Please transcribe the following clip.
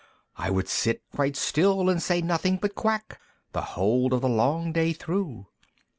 "I would sit quite still, and say nothing but 'Quack,' The whole of the long day through!